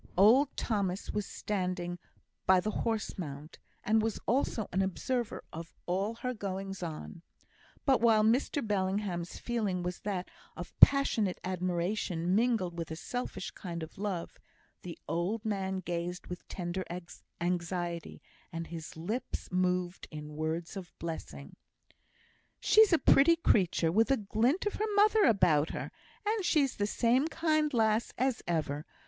Old Thomas was standing by the horse mount, and was also an observer of all her goings on. But, while Mr Bellingham's feeling was that of passionate admiration mingled with a selfish kind of love, the old man gazed with tender anxiety, and his lips moved in words of blessing: "She's a pretty creature, with a glint of her mother about her; and she's the same kind lass as ever.